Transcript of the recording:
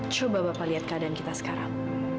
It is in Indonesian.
coba bapak lihat keadaan kita sekarang